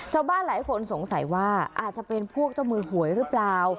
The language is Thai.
ชาวบ้านหลายคนสงสัยว่าอาจจะเป็นพวกเจ้ามือหวยหรือเปล่า